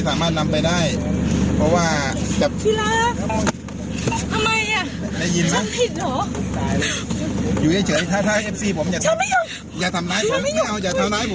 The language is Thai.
ไปไหนไม่ได้เพราะอะไรดูคลิปต่อค่ะ